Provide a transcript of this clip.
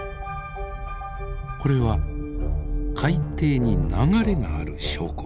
これは海底に流れがある証拠。